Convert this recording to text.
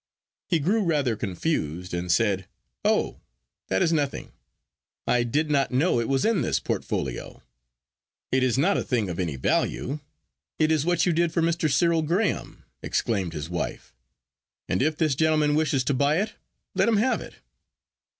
He grew rather confused, and said—"Oh, that is nothing. I did not know it was in this portfolio. It is not a thing of any value." "It is what you did for Mr. Cyril Graham," exclaimed his wife; "and if this gentleman wishes to buy it, let him have it."